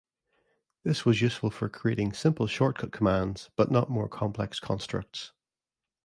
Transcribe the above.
This was useful for creating simple shortcut commands, but not more complex constructs.